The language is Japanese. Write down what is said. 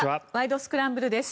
スクランブル」です。